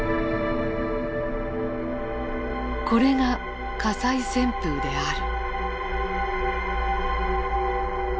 これが火災旋風である。